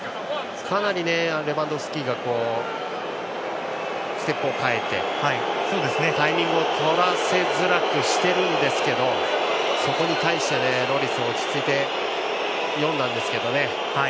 かなりレバンドフスキがステップを変えて、タイミングをとらせづらくしているんですけどそこに対してロリスは落ち着いて読んだんですけど。